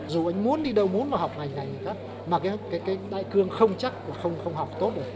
dù anh muốn đi đâu muốn vào học ngành cấp mà cái đại cương không chắc cũng không học tốt được